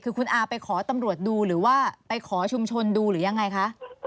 คือคุณอาไปขอตำรวจดูหรือว่าไปขอชุมชนดูหรือยังไงคะ